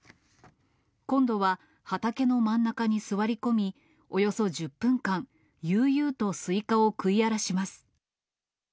今度は畑の真ん中に座り込み、およそ１０分間、悠々とスイカを食い荒らします。